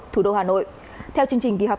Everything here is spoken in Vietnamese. thủ đô hà nội theo chương trình kỳ họp